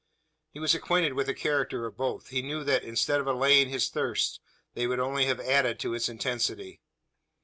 He was acquainted with the character of both. He knew that, instead of allaying his thirst, they would only have added to its intensity.